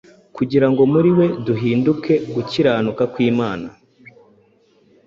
kugira ngo muri we duhinduke gukiranuka kw’Imana".